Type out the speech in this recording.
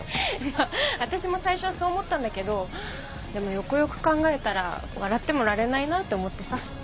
まあ私も最初はそう思ったんだけどでもよくよく考えたら笑ってもいられないなって思ってさ。